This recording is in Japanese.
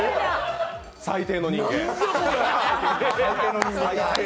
最低の人間。